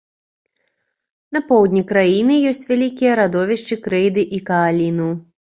На поўдні краіны ёсць вялікія радовішчы крэйды і кааліну.